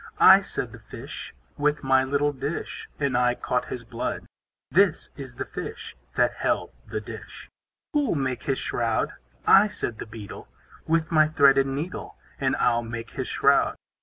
I, said the Fish, With my little dish, And I caught his blood. This is the Fish, That held the dish. Who'll make his shroud? I, said the Beetle, With my thread and needle, And I'll make his shroud.